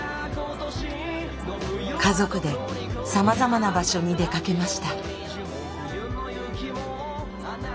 家族でさまざまな場所に出かけました。